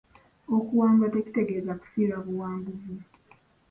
Okuwangulwa tekitegeeza kufiirwa buwanguzi.